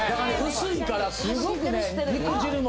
薄いからすごくね肉汁も。